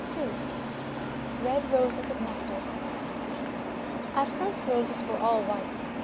n RED ROSES OF NECTAR AT first Roses were all white.